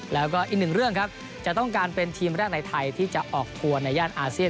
แล้วก็อีกหนึ่งเรื่องครับจะต้องการเป็นทีมแรกในไทยที่จะออกทัวร์ในย่านอาเซียน